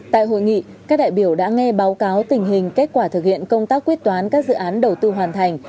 tại hội nghị các đại biểu đã nghe báo cáo tình hình kết quả thực hiện công tác quyết toán các dự án đầu tư hoàn thành